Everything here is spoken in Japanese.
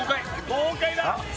豪快だ！